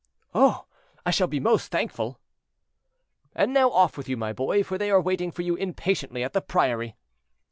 "Oh! I shall be most thankful." "And now off with you, my boy, for they are waiting for you impatiently at the priory."